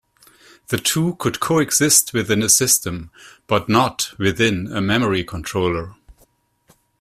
The two could co-exist within a system, but not within a memory controller.